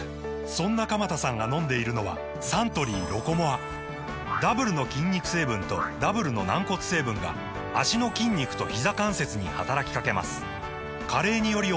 そんな鎌田さんが飲んでいるのはサントリー「ロコモア」ダブルの筋肉成分とダブルの軟骨成分が脚の筋肉とひざ関節に働きかけます加齢により衰える歩く速さを維持することが報告されています